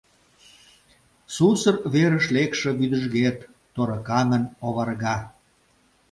Сусыр верыш лекше вӱдыжгет торыкаҥын оварга.